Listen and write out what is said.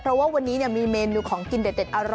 เพราะว่าวันนี้เนี่ยมีเมนูของกินเด็ด